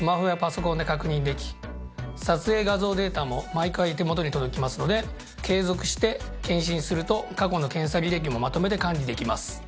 撮影画像データも毎回手元に届きますので継続して検診すると過去の検査履歴もまとめて管理できます。